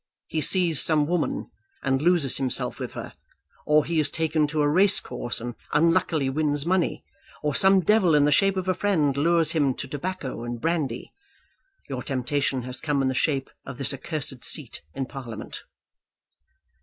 He sees some woman and loses himself with her; or he is taken to a racecourse and unluckily wins money; or some devil in the shape of a friend lures him to tobacco and brandy. Your temptation has come in the shape of this accursed seat in Parliament."